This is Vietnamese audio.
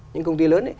những công ty lớn